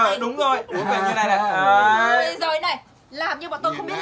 uống như thế này